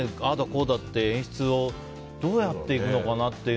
こうだって演出をどうやっていくのかなって。